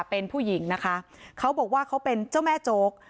เป็นผู้หญิงนะคะเขาบอกว่าเขาเป็นเจ้าแม่โจ๊ก